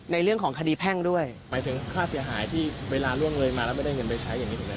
ในเรื่องของคดีแพ่งด้วยหมายถึงค่าเสียหายที่เวลาล่วงเลยมาแล้วไม่ได้เงินไปใช้อย่างนี้เหมือนกัน